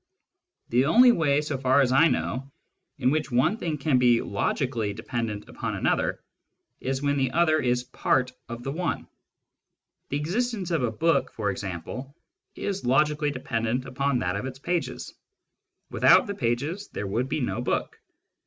The only way, so far as I know, in which one thing can be logically dependent upon another is when the other is part of the one. The existence of a book, for example, is logically dependent upon that of its pages : without the pages there would be no book.